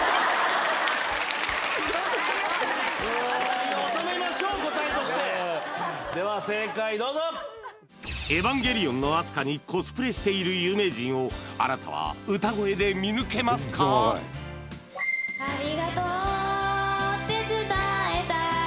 一応おさめましょう答えとしてでは正解どうぞ「ヱヴァンゲリヲン」のアスカにコスプレしている有名人をあなたは歌声で見抜けますかヤバい２０００円切る？